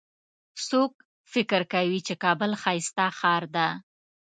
څوک فکر کوي چې کابل ښایسته ښار ده